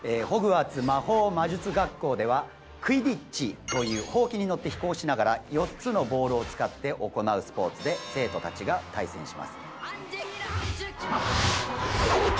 ホグワーツ魔法魔術学校ではクィディッチという箒に乗って飛行しながら４つのボールを使って行うスポーツで生徒達が対戦します